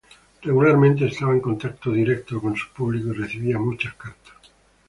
Regularmente estaba en contacto directo con su público y recibía muchas cartas.